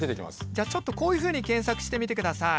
じゃあちょっとこういうふうに検索してみてください。